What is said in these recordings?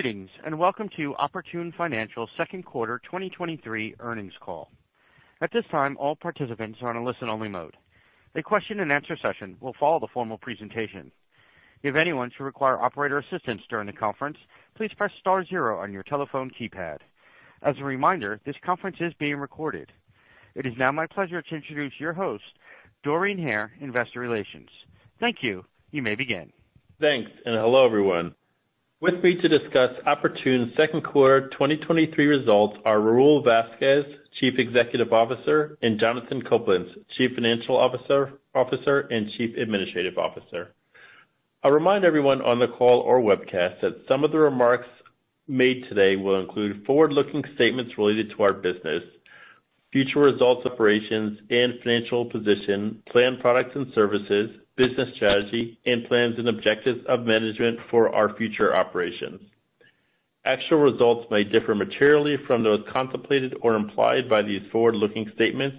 Greetings, welcome to Oportun Financial's second quarter 2023 earnings call. At this time, all participants are on a listen-only mode. A question-and-answer session will follow the formal presentation. If anyone should require operator assistance during the conference, please press star 0 on your telephone keypad. As a reminder, this conference is being recorded. It is now my pleasure to introduce your host, Dorian Hare, Investor Relations. Thank you. You may begin. Thanks, and hello, everyone. With me to discuss Oportun's second quarter 2023 results are Raul Vazquez, Chief Executive Officer, and Jonathan Coblentz, Chief Financial Officer, Officer, and Chief Administrative Officer. I'll remind everyone on the call or webcast that some of the remarks made today will include forward-looking statements related to our business, future results, operations, and financial position, planned products and services, business strategy, and plans and objectives of management for our future operations. Actual results may differ materially from those contemplated or implied by these forward-looking statements,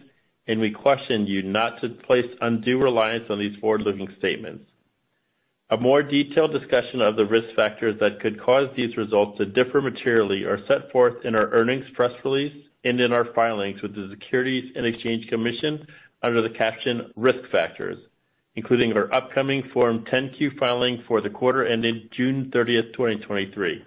and we question you not to place undue reliance on these forward-looking statements. A more detailed discussion of the risk factors that could cause these results to differ materially are set forth in our earnings press release and in our filings with the Securities and Exchange Commission under the caption Risk Factors, including our upcoming Form 10-Q filing for the quarter ending June 30, 2023.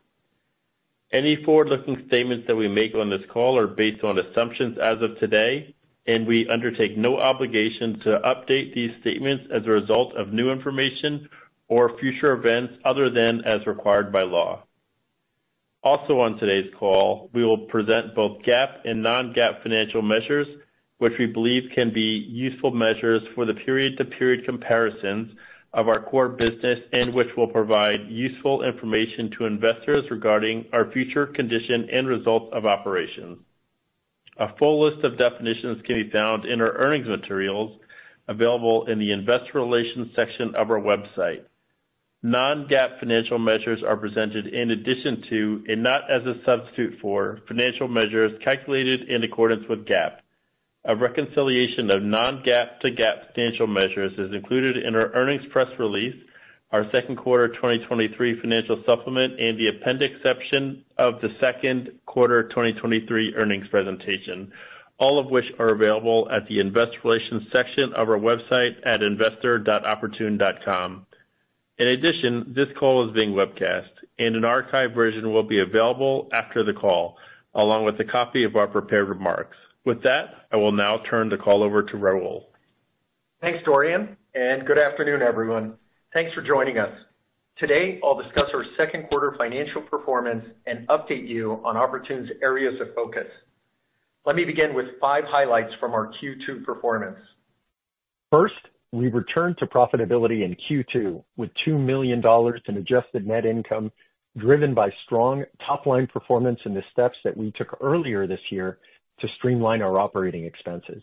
Any forward-looking statements that we make on this call are based on assumptions as of today, and we undertake no obligation to update these statements as a result of new information or future events other than as required by law. Also, on today's call, we will present both GAAP and non-GAAP financial measures, which we believe can be useful measures for the period-to-period comparisons of our core business and which will provide useful information to investors regarding our future condition and results of operations. A full list of definitions can be found in our earnings materials, available in the investor relations section of our website. Non-GAAP financial measures are presented in addition to, and not as a substitute for, financial measures calculated in accordance with GAAP. A reconciliation of non-GAAP to GAAP financial measures is included in our earnings press release, our second quarter 2023 financial supplement, and the appendix section of the second quarter 2023 earnings presentation, all of which are available at the investor relations section of our website at investor.oportun.com. This call is being webcast, and an archived version will be available after the call, along with a copy of our prepared remarks. With that, I will now turn the call over to Raul. Thanks, Dorian. Good afternoon, everyone. Thanks for joining us. Today, I'll discuss our second quarter financial performance and update you on Oportun's areas of focus. Let me begin with five highlights from our Q2 performance. First, we returned to profitability in Q2 with $2 million in adjusted net income, driven by strong top-line performance and the steps that we took earlier this year to streamline our operating expenses.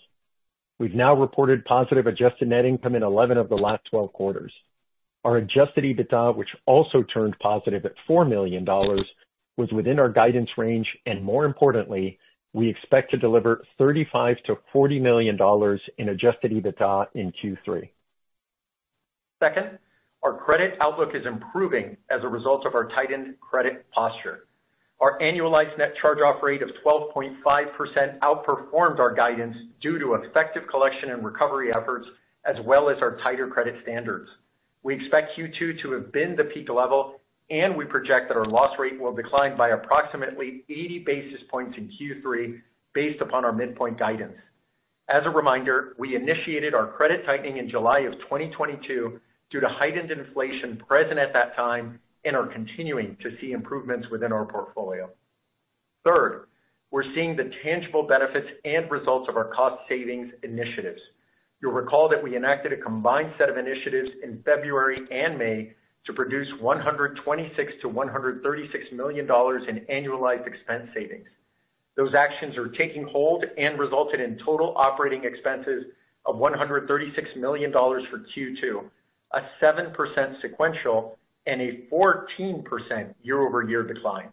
We've now reported positive adjusted net income in 11 of the last 12 quarters. Our adjusted EBITDA, which also turned positive at $4 million, was within our guidance range. More importantly, we expect to deliver $35 million-$40 million in adjusted EBITDA in Q3. Second, our credit outlook is improving as a result of our tightened credit posture. Our annualized net charge-off rate of 12.5% outperformed our guidance due to effective collection and recovery efforts, as well as our tighter credit standards. We expect Q2 to have been the peak level, and we project that our loss rate will decline by approximately 80 basis points in Q3, based upon our midpoint guidance. As a reminder, we initiated our credit tightening in July 2022 due to heightened inflation present at that time and are continuing to see improvements within our portfolio. Third, we're seeing the tangible benefits and results of our cost savings initiatives. You'll recall that we enacted a combined set of initiatives in February and May to produce $126 million-$136 million in annualized expense savings. Those actions are taking hold and resulted in total operating expenses of $136 million for Q2, a 7% sequential and a 14% year-over-year decline.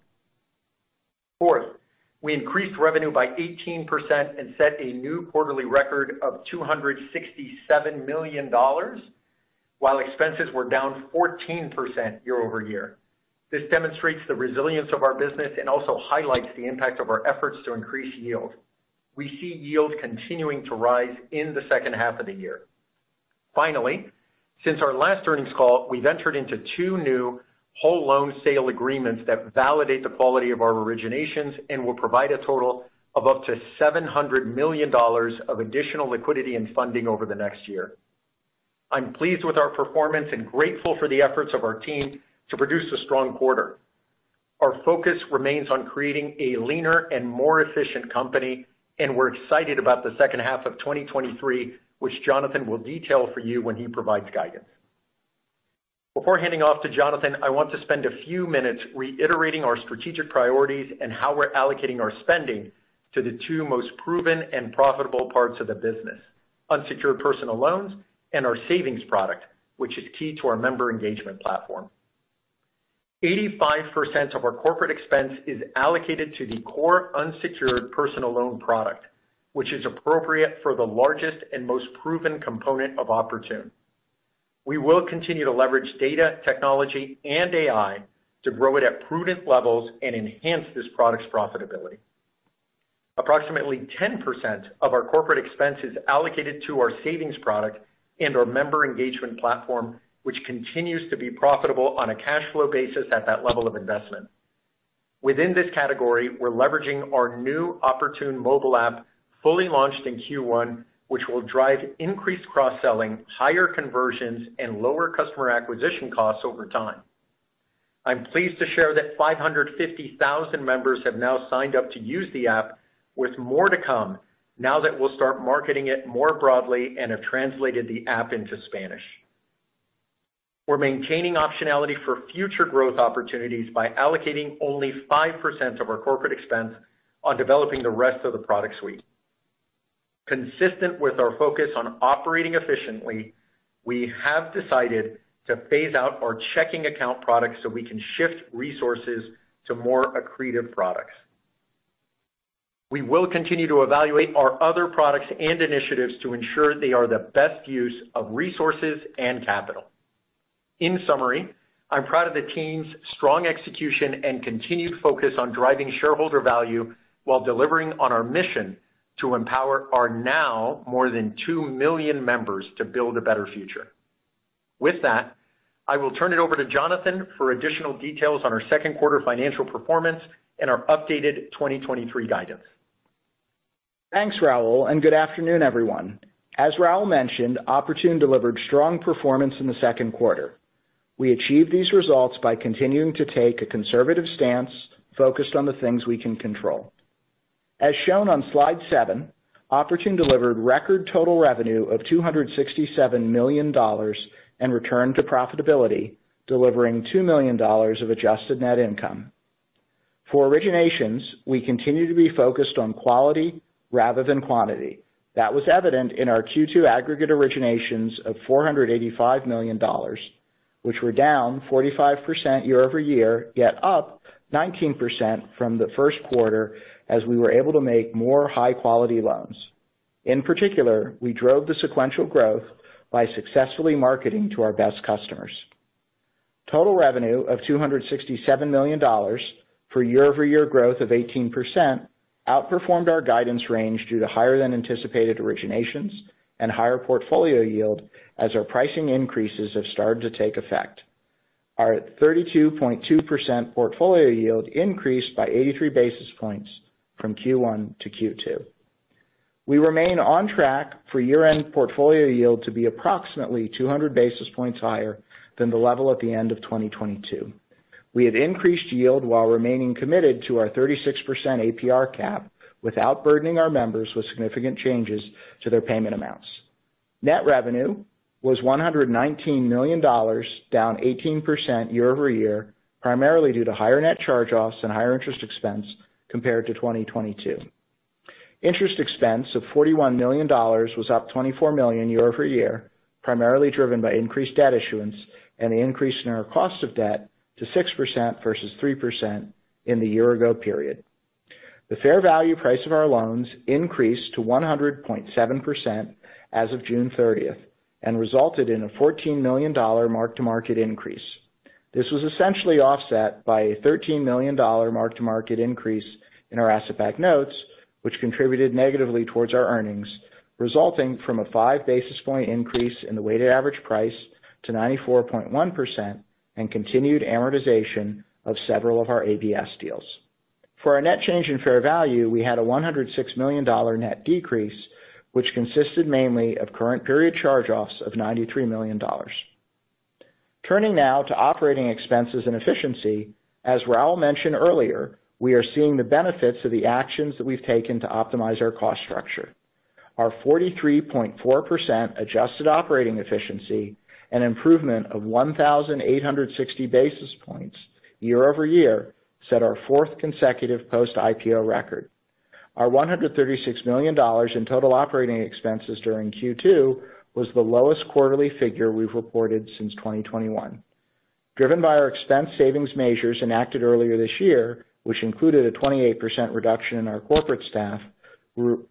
Fourth, we increased revenue by 18% and set a new quarterly record of $267 million, while expenses were down 14% year-over-year. This demonstrates the resilience of our business and also highlights the impact of our efforts to increase yield. We see yield continuing to rise in the second half of the year. Finally, since our last earnings call, we've entered into two new whole loan sale agreements that validate the quality of our originations and will provide a total of up to $700 million of additional liquidity and funding over the next year. I'm pleased with our performance and grateful for the efforts of our team to produce a strong quarter. Our focus remains on creating a leaner and more efficient company. We're excited about the second half of 2023, which Jonathan will detail for you when he provides guidance. Before handing off to Jonathan, I want to spend a few minutes reiterating our strategic priorities and how we're allocating our spending to the two most proven and profitable parts of the business: unsecured personal loans and our savings product, which is key to our member engagement platform. 85% of our corporate expense is allocated to the core unsecured personal loan product, which is appropriate for the largest and most proven component of Oportun. We will continue to leverage data, technology, and AI to grow it at prudent levels and enhance this product's profitability. Approximately 10% of our corporate expense is allocated to our savings product and our member engagement platform, which continues to be profitable on a cash flow basis at that level of investment. Within this category, we're leveraging our new Oportun mobile app, fully launched in Q1, which will drive increased cross-selling, higher conversions, and lower customer acquisition costs over time. I'm pleased to share that 550,000 members have now signed up to use the app, with more to come now that we'll start marketing it more broadly and have translated the app into Spanish. We're maintaining optionality for future growth opportunities by allocating only 5% of our corporate expense on developing the rest of the product suite. Consistent with our focus on operating efficiently, we have decided to phase out our checking account product so we can shift resources to more accretive products. We will continue to evaluate our other products and initiatives to ensure they are the best use of resources and capital. In summary, I'm proud of the team's strong execution and continued focus on driving shareholder value while delivering on our mission to empower our now more than two million members to build a better future. With that, I will turn it over to Jonathan for additional details on our second quarter financial performance and our updated 2023 guidance. Thanks, Raul, and good afternoon, everyone. As Raul mentioned, Oportun delivered strong performance in the second quarter. We achieved these results by continuing to take a conservative stance, focused on the things we can control. As shown on Slide seven, Oportun delivered record total revenue of $267 million and returned to profitability, delivering $2 million of adjusted net income. For originations, we continue to be focused on quality rather than quantity. That was evident in our Q2 aggregate originations of $485 million, which were down 45% year-over-year, yet up 19% from the first quarter, as we were able to make more high-quality loans. In particular, we drove the sequential growth by successfully marketing to our best customers. Total revenue of $267 million for year-over-year growth of 18%, outperformed our guidance range due to higher than anticipated originations and higher portfolio yield, as our pricing increases have started to take effect. Our 32.2% portfolio yield increased by 83 basis points from Q1 to Q2. We remain on track for year-end portfolio yield to be approximately 200 basis points higher than the level at the end of 2022. We have increased yield while remaining committed to our 36% APR cap, without burdening our members with significant changes to their payment amounts. Net revenue was $119 million, down 18% year-over-year, primarily due to higher net charge-offs and higher interest expense compared to 2022. Interest expense of $41 million was up $24 million year-over-year, primarily driven by increased debt issuance and an increase in our cost of debt to 6% versus 3% in the year-ago period. The fair value price of our loans increased to 100.7% as of June 30th and resulted in a $14 million mark-to-market increase. This was essentially offset by a $13 million mark-to-market increase in our asset-backed notes, which contributed negatively towards our earnings, resulting from a 5 basis point increase in the weighted average price to 94.1% and continued amortization of several of our ABS deals. For our net change in fair value, we had a $106 million net decrease, which consisted mainly of current period charge-offs of $93 million. Turning now to operating expenses and efficiency, as Raul mentioned earlier, we are seeing the benefits of the actions that we've taken to optimize our cost structure. Our 43.4% adjusted operating efficiency, an improvement of 1,860 basis points year-over-year, set our fourth consecutive post-IPO record. Our $136 million in total operating expenses during Q2 was the lowest quarterly figure we've reported since 2021. Driven by our expense savings measures enacted earlier this year, which included a 28% reduction in our corporate staff,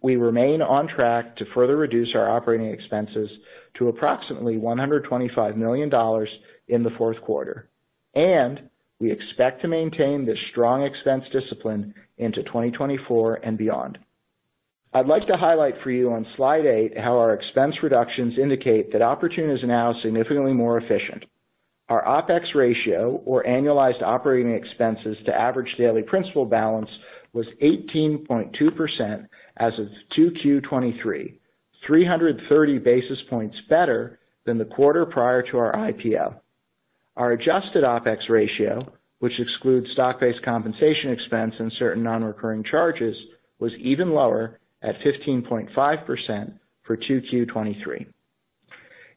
we remain on track to further reduce our operating expenses to approximately $125 million in the fourth quarter. We expect to maintain this strong expense discipline into 2024 and beyond. I'd like to highlight for you on Slide 8 how our expense reductions indicate that Oportun is now significantly more efficient. Our OpEx ratio or annualized operating expenses to average daily principal balance, was 18.2% as of 2Q23, 330 basis points better than the quarter prior to our IPO. Our adjusted OpEx ratio, which excludes stock-based compensation expense and certain non-recurring charges, was even lower at 15.5% for 2Q23.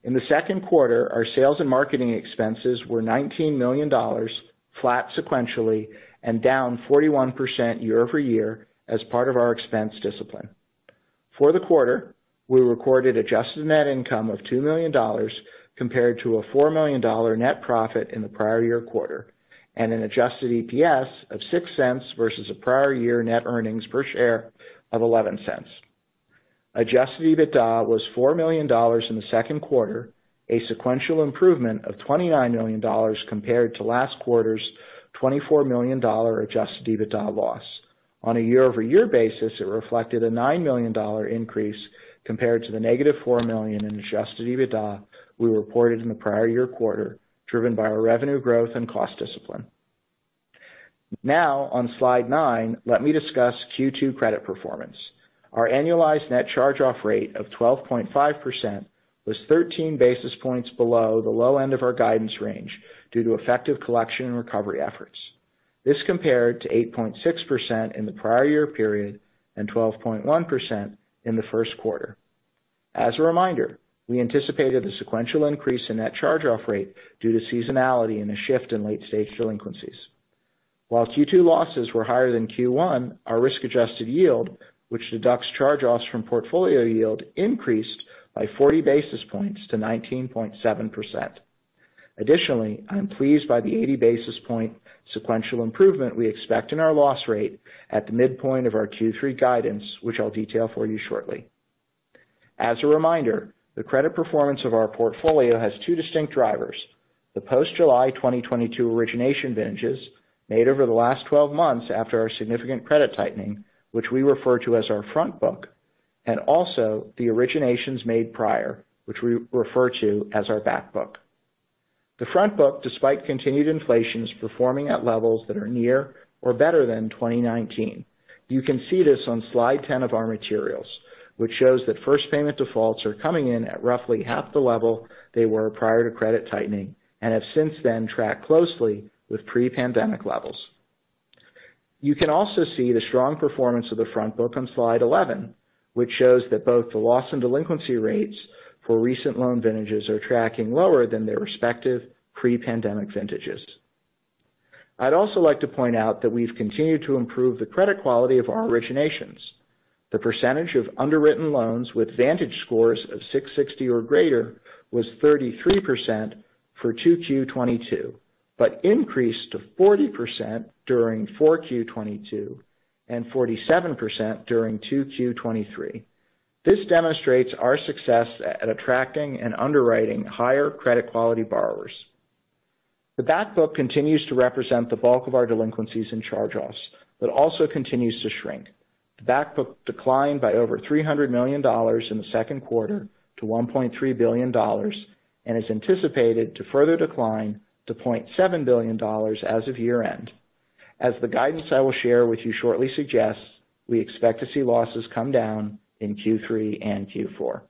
In the second quarter, our sales and marketing expenses were $19 million, flat sequentially and down 41% year-over-year as part of our expense discipline. For the quarter, we recorded adjusted net income of $2 million compared to a $4 million net profit in the prior year quarter. An adjusted EPS of $0.06 versus a prior year net earnings per share of $0.11. Adjusted EBITDA was $4 million in the second quarter, a sequential improvement of $29 million compared to last quarter's $24 million adjusted EBITDA loss. On a year-over-year basis, it reflected a $9 million increase compared to the -$4 million in adjusted EBITDA we reported in the prior year quarter, driven by our revenue growth and cost discipline. On Slide nine, let me discuss Q2 credit performance. Our annualized net charge-off rate of 12.5% was 13 basis points below the low end of our guidance range due to effective collection and recovery efforts. This compared to 8.6% in the prior year period and 12.1% in the first quarter. As a reminder, we anticipated a sequential increase in net charge-off rate due to seasonality and a shift in late-stage delinquencies. While Q2 losses were higher than Q1, our risk-adjusted yield, which deducts charge-offs from portfolio yield, increased by 40 basis points to 19.7%. Additionally, I'm pleased by the 80 basis point sequential improvement we expect in our loss rate at the midpoint of our Q3 guidance, which I'll detail for you shortly. As a reminder, the credit performance of our portfolio has two distinct drivers: the post-July 2022 origination vintages made over the last 12 months after our significant credit tightening, which we refer to as our front book, and also the originations made prior, which we refer to as our back book. The front book, despite continued inflation, is performing at levels that are near or better than 2019. You can see this on Slide 10 of our materials, which shows that First Payment Defaults are coming in at roughly half the level they were prior to credit tightening and have since then tracked closely with pre-pandemic levels. You can also see the strong performance of the front book on Slide 11, which shows that both the loss and delinquency rates for recent loan vintages are tracking lower than their respective pre-pandemic vintages. I'd also like to point out that we've continued to improve the credit quality of our originations. The percentage of underwritten loans with VantageScores of 660 or greater was 33% for 2Q '22, but increased to 40% during 4Q '22, and 47% during 2Q '23. This demonstrates our success at attracting and underwriting higher credit quality borrowers. The back book continues to represent the bulk of our delinquencies and charge-offs, but also continues to shrink. The back book declined by over $300 million in the second quarter to $1.3 billion, and is anticipated to further decline to $0.7 billion as of year-end. As the guidance I will share with you shortly suggests, we expect to see losses come down in Q3 and Q4.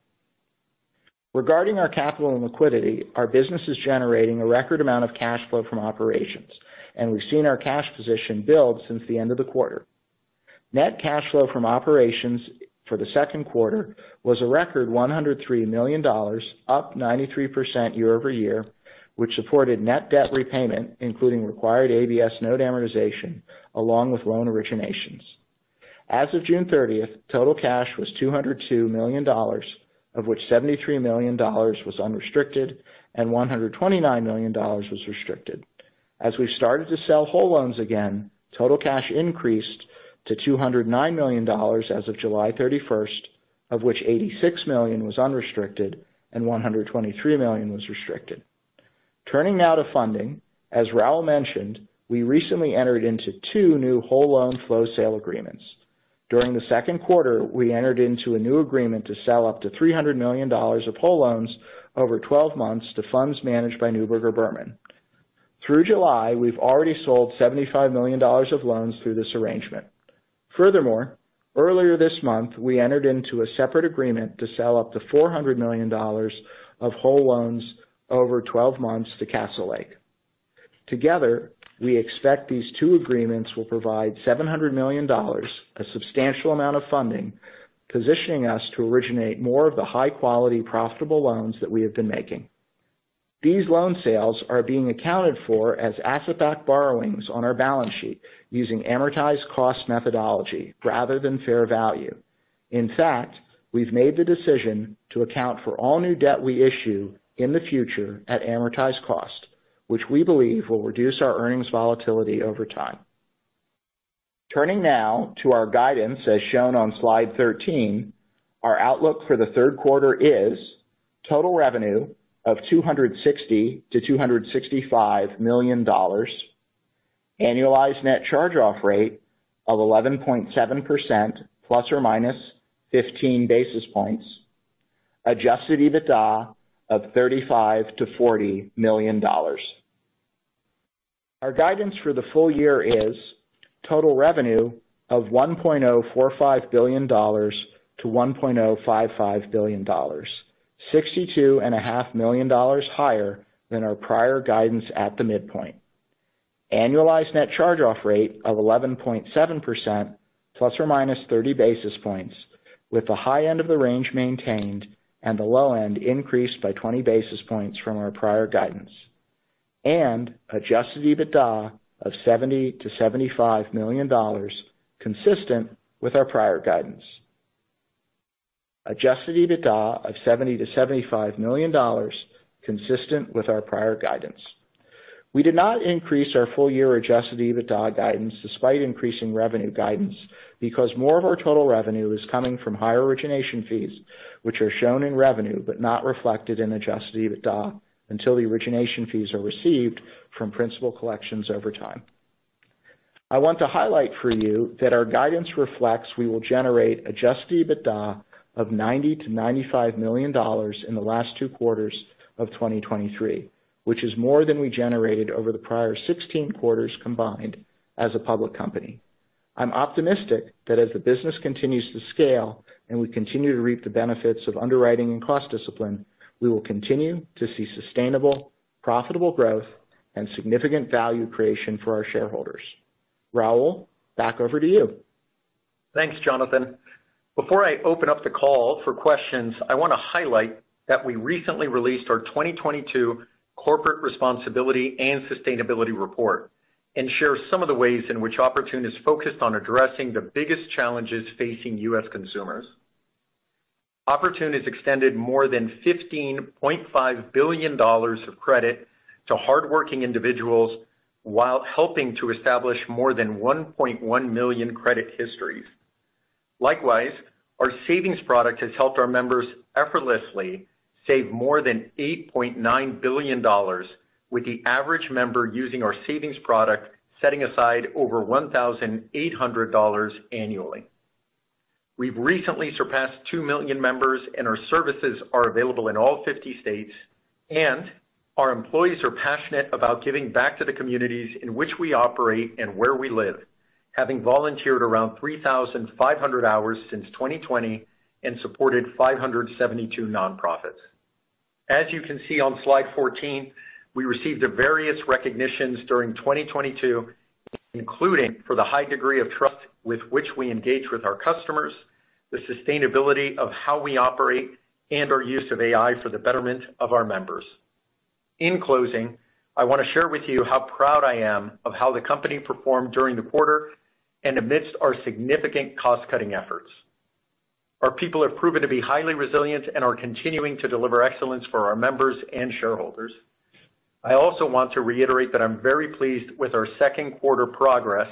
Regarding our capital and liquidity, our business is generating a record amount of cash flow from operations, and we've seen our cash position build since the end of the quarter. Net cash flow from operations for the second quarter was a record $103 million, up 93% year-over-year, which supported net debt repayment, including required ABS note amortization, along with loan originations. As of June 30th, total cash was $202 million, of which $73 million was unrestricted and $129 million was restricted. As we started to sell whole loans again, total cash increased to $209 million as of July 31st, of which $86 million was unrestricted and $123 million was restricted. Turning now to funding. As Raul mentioned, we recently entered into two new whole loan flow sale agreements. During the second quarter, we entered into a new agreement to sell up to $300 million of whole loans over 12 months to funds managed by Neuberger Berman. Through July, we've already sold $75 million of loans through this arrangement. Furthermore, earlier this month, we entered into a separate agreement to sell up to $400 million of whole loans over 12 months to Castlelake. Together, we expect these two agreements will provide $700 million, a substantial amount of funding, positioning us to originate more of the high-quality, profitable loans that we have been making. These loan sales are being accounted for as asset-backed borrowings on our balance sheet using amortized cost methodology rather than fair value. In fact, we've made the decision to account for all new debt we issue in the future at amortized cost, which we believe will reduce our earnings volatility over time. Turning now to our guidance, as shown on Slide 13, our outlook for the third quarter is: total revenue of $260 million-$265 million, annualized net charge-off rate of 11.7% ±15 basis points, adjusted EBITDA of $35 million-$40 million. Our guidance for the full year is total revenue of $1.45 billion-$1.55 billion, $62.5 million higher than our prior guidance at the midpoint. Annualized net charge-off rate of 11.7% ±30 basis points, with the high end of the range maintained and the low end increased by 20 basis points from our prior guidance. Adjusted EBITDA of $70 million-$75 million, consistent with our prior guidance. We did not increase our full-year adjusted EBITDA guidance despite increasing revenue guidance, because more of our total revenue is coming from higher origination fees, which are shown in revenue but not reflected in adjusted EBITDA until the origination fees are received from principal collections over time. I want to highlight for you that our guidance reflects we will generate adjusted EBITDA of $90 million-$95 million in the last 2 quarters of 2023, which is more than we generated over the prior 16 quarters combined as a public company. I'm optimistic that as the business continues to scale and we continue to reap the benefits of underwriting and cost discipline, we will continue to see sustainable, profitable growth and significant value creation for our shareholders. Raul, back over to you. Thanks, Jonathan. Before I open up the call for questions, I want to highlight that we recently released our 2022 Corporate Responsibility & Sustainability Report, and share some of the ways in which Oportun is focused on addressing the biggest challenges facing U.S. consumers. Oportun has extended more than $15.5 billion of credit to hardworking individuals while helping to establish more than 1.1 million credit histories. Likewise, our savings product has helped our members effortlessly save more than $8.9 billion, with the average member using our savings product setting aside over $1,800 annually. We've recently surpassed 2 million members, and our services are available in all 50 states, and our employees are passionate about giving back to the communities in which we operate and where we live, having volunteered around 3,500 hours since 2020 and supported 572 nonprofits. As you can see on slide 14, we received various recognitions during 2022, including for the high degree of trust with which we engage with our customers, the sustainability of how we operate, and our use of AI for the betterment of our members. In closing, I want to share with you how proud I am of how the company performed during the quarter and amidst our significant cost-cutting efforts. Our people have proven to be highly resilient and are continuing to deliver excellence for our members and shareholders. I also want to reiterate that I'm very pleased with our second quarter progress,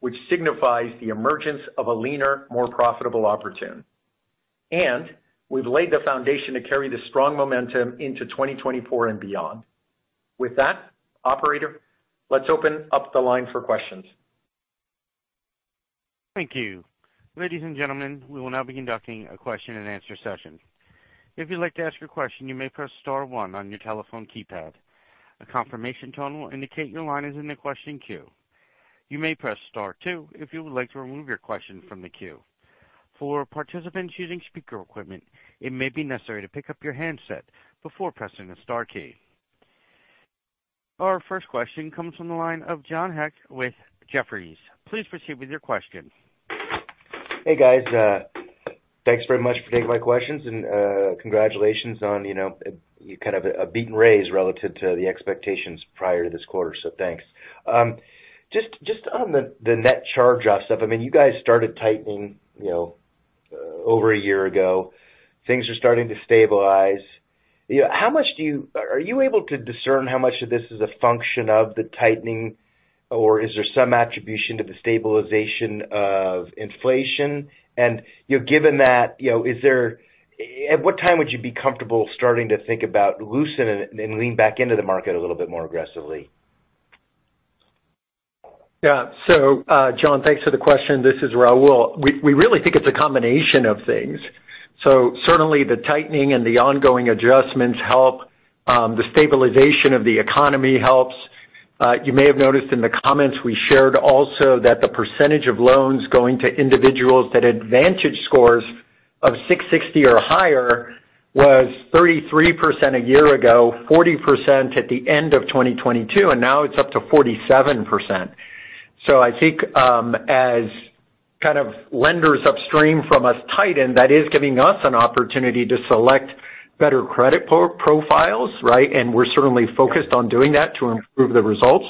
which signifies the emergence of a leaner, more profitable Oportun. We've laid the foundation to carry this strong momentum into 2024 and beyond. With that, operator, let's open up the line for questions. Thank you. Ladies and gentlemen, we will now be conducting a question-and-answer session. If you'd like to ask your question, you may press star one on your telephone keypad. A confirmation tone will indicate your line is in the question queue. You may press star two if you would like to remove your question from the queue. For participants using speaker equipment, it may be necessary to pick up your handset before pressing the star key. Our first question comes from the line of John Hecht with Jefferies. Please proceed with your question. Hey, guys, thanks very much for taking my questions, and congratulations on, you know, you kind of a beaten raise relative to the expectations prior to this quarter. Thanks. Just, just on the, the net charge-off stuff, I mean, you guys started tightening, you know, over a year ago. Things are starting to stabilize. You know, how much are you able to discern how much of this is a function of the tightening, or is there some attribution to the stabilization of inflation? You know, given that, you know, at what time would you be comfortable starting to think about loosening and, and lean back into the market a little bit more aggressively? Yeah. John, thanks for the question. This is Raul Vazquez. We, we really think it's a combination of things. Certainly, the tightening and the ongoing adjustments help. The stabilization of the economy helps. You may have noticed in the comments we shared also that the percentage of loans going to individuals that had VantageScores of 660 or higher was 33% a year ago, 40% at the end of 2022, and now it's up to 47%. I think, as kind of lenders upstream from us tighten, that is giving us an opportunity to select better credit pro- profiles, right? We're certainly focused on doing that to improve the results.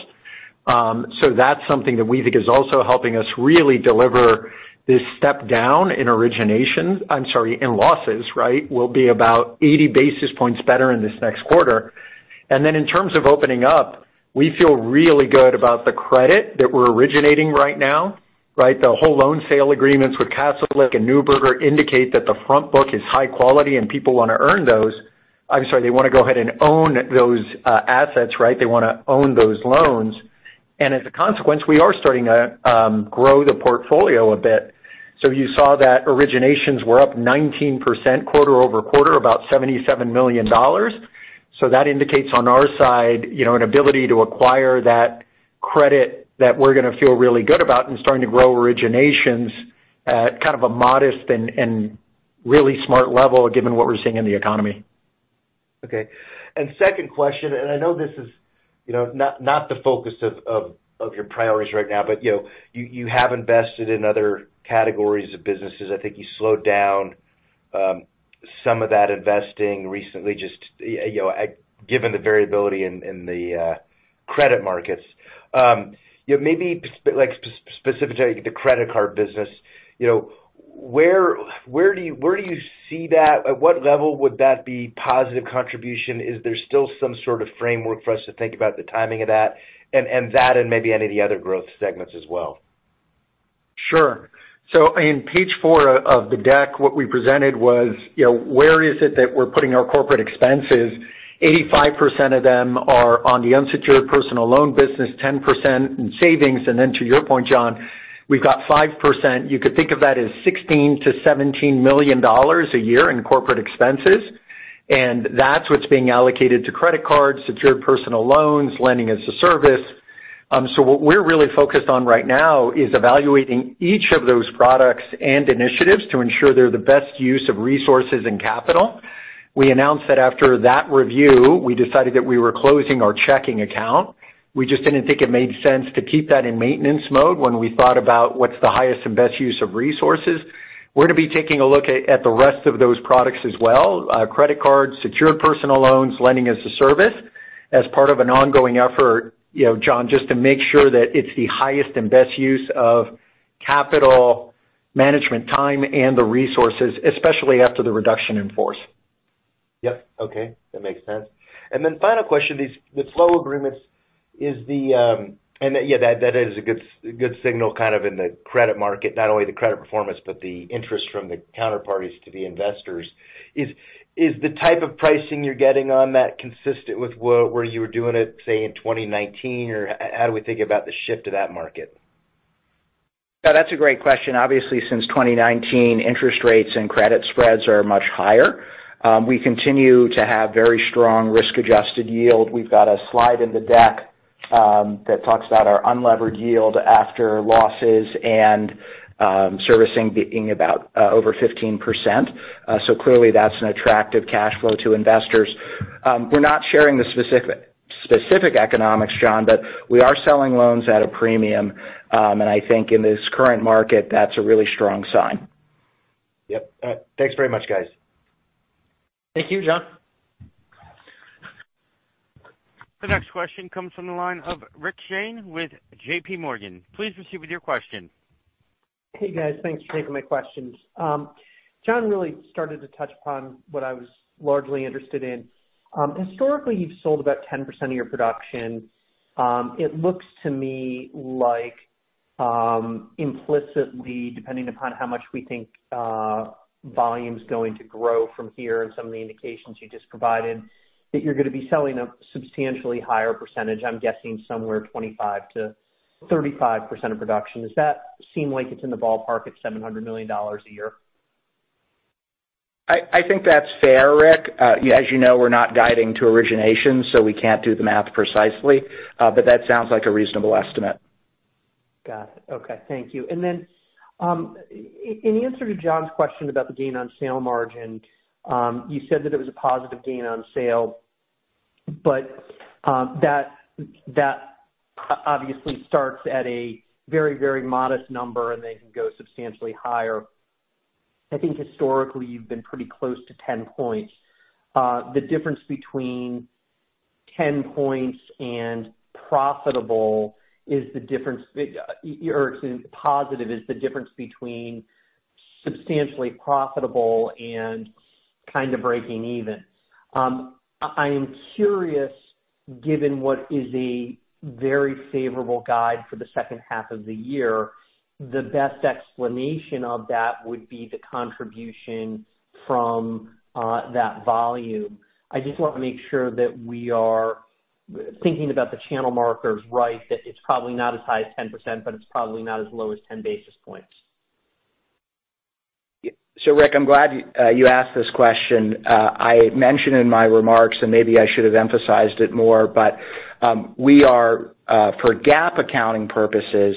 So that's something that we think is also helping us really deliver this step down in origination, I'm sorry, in losses, right? Will be about 80 basis points better in this next quarter. In terms of opening up, we feel really good about the credit that we're originating right now, right? The whole loan sale agreements with Castlelake and Neuberger Berman indicate that the front book is high quality, and people want to earn those. I'm sorry, they want to go ahead and own those assets, right? They want to own those loans. As a consequence, we are starting to grow the portfolio a bit. You saw that originations were up 19% quarter-over-quarter, about $77 million. That indicates on our side, you know, an ability to acquire that credit that we're going to feel really good about and starting to grow originations at kind of a modest and, and really smart level given what we're seeing in the economy. Okay. Second question, and I know this is, you know, not the focus of your priorities right now, but, you know, you, you have invested in other categories of businesses. I think you slowed down some of that investing recently, just, you know, given the variability in the credit markets. You know, maybe specifically the credit card business, you know, where do you see that? At what level would that be positive contribution? Is there still some sort of framework for us to think about the timing of that, and that and maybe any of the other growth segments as well? Sure. In page four of the deck, what we presented was, you know, where is it that we're putting our corporate expenses? 85% of them are on the unsecured personal loan business, 10% in savings, and then to your point, John, we've got 5%. You could think of that as $16 million-$17 million a year in corporate expenses, and that's what's being allocated to credit cards, secured personal loans, Lending-as-a-Service. What we're really focused on right now is evaluating each of those products and initiatives to ensure they're the best use of resources and capital. We announced that after that review, we decided that we were closing our checking account. We just didn't think it made sense to keep that in maintenance mode when we thought about what's the highest and best use of resources. We're to be taking a look at the rest of those products as well, credit cards, secured personal loans, Lending-as-a-Service, as part of an ongoing effort, you know, John, just to make sure that it's the highest and best use of capital management time and the resources, especially after the reduction in force. Yep. Okay, that makes sense. Final question, these, the flow agreements is the... Yeah, that, that is a good, a good signal kind of in the credit market, not only the credit performance, but the interest from the counterparties to the investors. Is, is the type of pricing you're getting on that consistent with where, where you were doing it, say, in 2019? Or h-how do we think about the shift to that market? Yeah, that's a great question. Obviously, since 2019, interest rates and credit spreads are much higher. We continue to have very strong risk-adjusted yield. We've got a slide in the deck that talks about our unlevered yield after losses and servicing being about over 15%. Clearly, that's an attractive cash flow to investors. We're not sharing the specific, specific economics, John, but we are selling loans at a premium. I think in this current market, that's a really strong sign. Yep. Thanks very much, guys. Thank you, John. The next question comes from the line of Rick Shane with J.P. Morgan. Please proceed with your question. Hey, guys. Thanks for taking my questions. John really started to touch upon what I was largely interested in. Historically, you've sold about 10% of your production. It looks to me like, implicitly, depending upon how much we think volume's going to grow from here and some of the indications you just provided, that you're gonna be selling a substantially higher percentage. I'm guessing somewhere 25%-35% of production. Does that seem like it's in the ballpark at $700 million a year? I, I think that's fair, Rick. As you know, we're not guiding to origination, so we can't do the math precisely, but that sounds like a reasonable estimate. Got it. Okay. Thank you. Then, in answer to John's question about the gain on sale margin, you said that it was a positive gain on sale, that, that obviously starts at a very, very modest number, and they can go substantially higher. I think historically, you've been pretty close to 10 points. The difference between 10 points and profitable is the difference, or excuse me, positive, is the difference between substantially profitable and kind of breaking even. I am curious, given what is a very favorable guide for the second half of the year, the best explanation of that would be the contribution from that volume. I just want to make sure that we are thinking about the channel markers, right, that it's probably not as high as 10%, but it's probably not as low as 10 basis points. Yeah. Rick, I'm glad you asked this question. I mentioned in my remarks, and maybe I should have emphasized it more, but we are for GAAP accounting purposes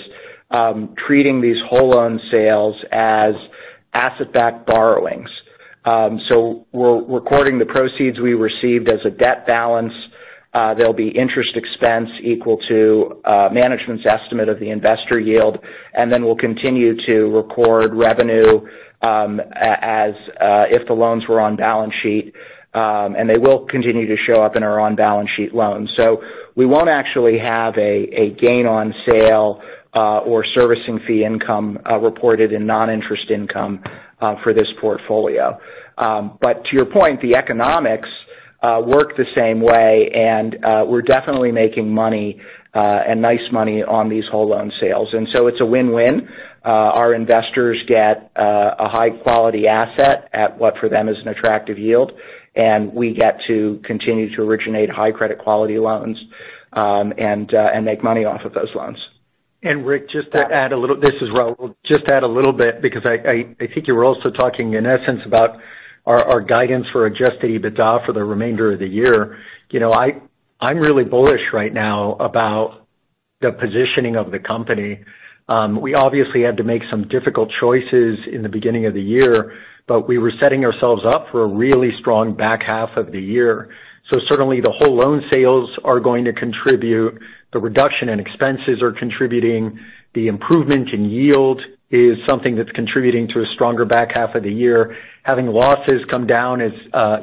treating these whole loan sales as asset-backed borrowings. We're recording the proceeds we received as a debt balance. There'll be interest expense equal to management's estimate of the investor yield, and then we'll continue to record revenue as if the loans were on balance sheet, and they will continue to show up in our on-balance sheet loans. We won't actually have a gain on sale or servicing fee income reported in non-interest income for this portfolio. To your point, the economics work the same way, and we're definitely making money and nice money on these whole loan sales. So it's a win-win. Our investors get a high-quality asset at what, for them, is an attractive yield, and we get to continue to originate high credit quality loans, and make money off of those loans. Rick, just to add a little. This is Raul. Just add a little bit, because I, think you were also talking, in essence, about our, our guidance for adjusted EBITDA for the remainder of the year. You know, I-I'm really bullish right now about the positioning of the company. We obviously had to make some difficult choices in the beginning of the year. We were setting ourselves up for a really strong back half of the year. Certainly, the whole loan sales are going to contribute, the reduction in expenses are contributing, the improvement in yield is something that's contributing to a stronger back half of the year. Having losses come down is,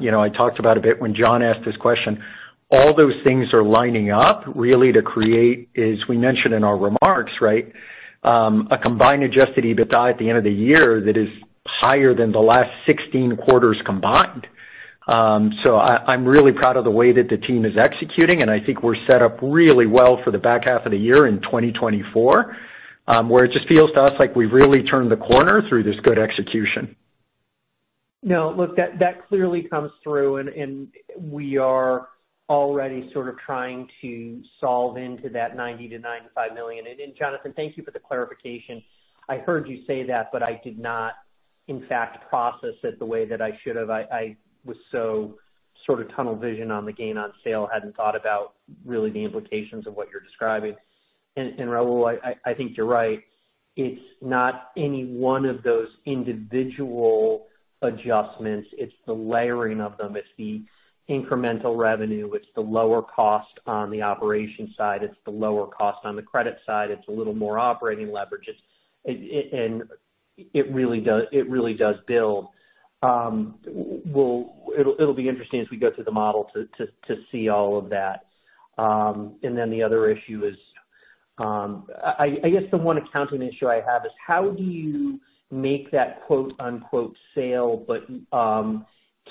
you know, I talked about a bit when John asked this question. All those things are lining up really to create, as we mentioned in our remarks, right? A combined adjusted EBITDA at the end of the year that is higher than the last 16 quarters combined. I, I'm really proud of the way that the team is executing, and I think we're set up really well for the back half of the year in 2024, where it just feels to us like we've really turned the corner through this good execution. No, look, that, that clearly comes through, and, and we are already sort of trying to solve into that $90 million-$95 million. Jonathan, thank you for the clarification. I heard you say that, but I did not, in fact, process it the way that I should have. I, I was so sort of tunnel vision on the gain on sale. Hadn't thought about really the implications of what you're describing. Raul, I, I think you're right. It's not any one of those individual adjustments. It's the layering of them. It's the incremental revenue. It's the lower cost on the operation side, it's the lower cost on the credit side. It's a little more operating leverage. It's, it, and it really does, it really does build. It'll, it'll be interesting as we go through the model to, to, to see all of that. The other issue is, I guess the one accounting issue I have is how do you make that quote, unquote, sale, but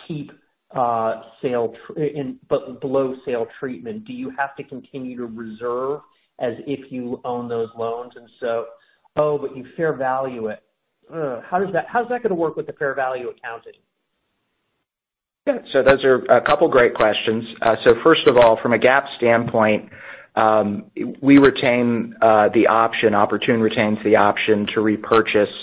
keep below sale treatment? Do you have to continue to reserve as if you own those loans, and so... You fair value it. How does that, how's that gonna work with the fair value accounting? Yeah, those are a couple great questions. First of all, from a GAAP standpoint, we retain the option, Oportun retains the option to repurchase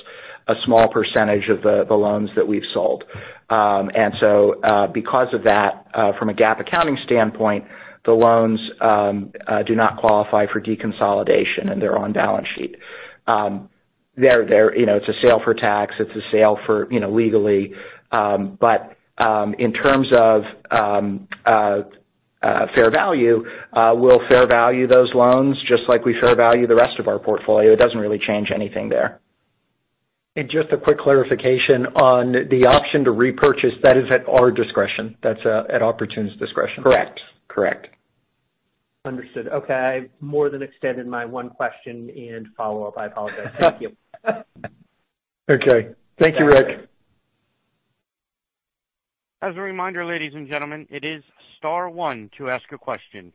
a small % of the loans that we've sold. Because of that, from a GAAP accounting standpoint, the loans do not qualify for deconsolidation, and they're on balance sheet. They're, they're, you know, it's a sale for tax, it's a sale for, you know, legally. In terms of fair value, we'll fair value those loans, just like we fair value the rest of our portfolio. It doesn't really change anything there. Just a quick clarification on the option to repurchase. That is at our discretion. That's at Oportun's discretion. Correct. Correct. Understood. Okay. I more than extended my one question and follow-up. I apologize. Thank you. Okay. Thank you, Rick. As a reminder, ladies and gentlemen, it is star one to ask a question.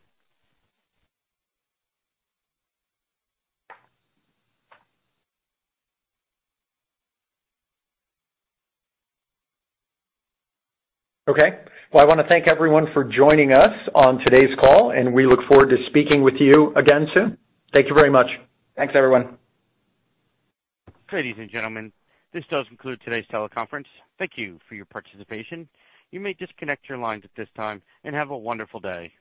Okay. Well, I want to thank everyone for joining us on today's call. We look forward to speaking with you again soon. Thank you very much. Thanks, everyone. Ladies and gentlemen, this does conclude today's teleconference. Thank you for your participation. You may disconnect your lines at this time, have a wonderful day.